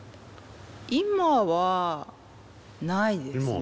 今はないですね。